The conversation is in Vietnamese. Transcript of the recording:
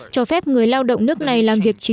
cho phép người lao động nước này làm việc tối đa